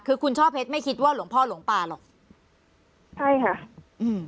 คือคุณช่อเพชรไม่คิดว่าหลวงพ่อหลวงป่าหรอกใช่ค่ะอืม